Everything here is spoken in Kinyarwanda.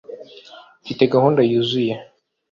mfite gahunda yuzuye